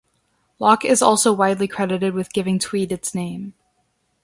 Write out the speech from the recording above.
Locke is also widely credited with giving Tweed its name.